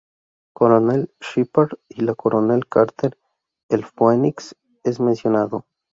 Coronel Sheppard y la Coronel Carter, el Phoenix es mencionado.